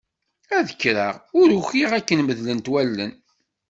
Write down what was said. Ad kreɣ ur ukiɣ akken medlent wallen.